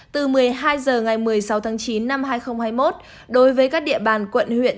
từ một mươi hai h ngày một mươi sáu tháng chín năm hai nghìn hai mươi một đối với các địa bàn quận huyện